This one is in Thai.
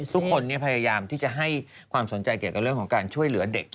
พยายามที่จะให้ความสนใจเกี่ยวกับเรื่องของการช่วยเหลือเด็ก